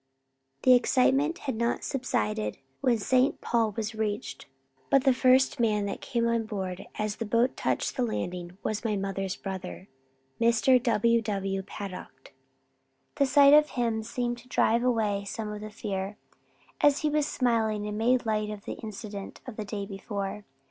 The excitement had not subsided when St. Paul was reached, but the first man that came on board as the boat touched the landing was my mother's brother, Mr. W. W. Paddock. The sight of him seemed to drive away some of the fear, as he was smiling and made light of the incident of the day before.